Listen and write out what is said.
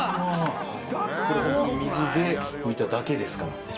これ水で拭いただけですから。